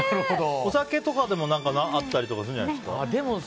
お酒とかでもあったりするじゃないですか。